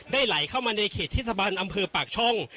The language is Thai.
ได้ไหลเข้ามันในเขตทิศบรรย์อำเภอปากช่อง